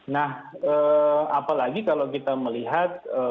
nah apalagi kalau kita melihat